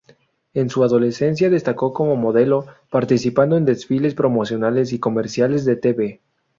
En su adolescencia destacó como modelo, participando en desfiles, promociones y comerciales de tv.